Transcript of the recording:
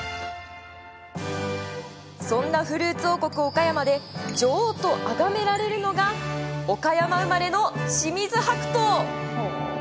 そんなフルーツ王国・岡山で女王とあがめられるのが岡山生まれの清水白桃。